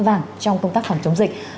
vàng trong công tác phòng chống dịch